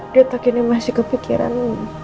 dia tak kini masih kepikiran